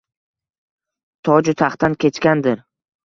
Toju taxtdan kechgandir?